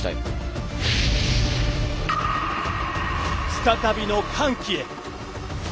再びの歓喜へ。